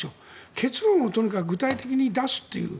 結論をとにかく具体的に出すという。